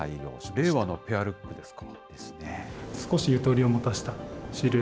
令和のペアルックですか。